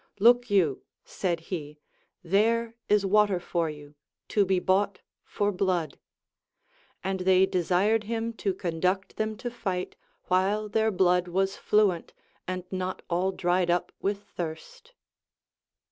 Look you, said he, there is water for you, to be bought for blood ; and they desired bim to conduct them to fight, while their blood was fluent and not all dried up with thirst.